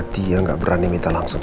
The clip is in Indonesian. aldebaran pernah meragukan kalau rena